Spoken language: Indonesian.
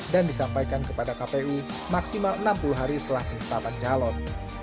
dan disampaikan kepada kpu maksimal enam puluh hari setelah ditetapkan calon